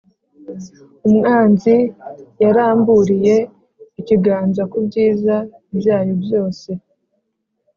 Umwanzi yaramburiye ikiganza ku byiza byayo byose,